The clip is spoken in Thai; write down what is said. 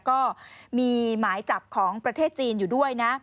ก็มีหมายจับของประเทศจีนอยู่ด้วยนะ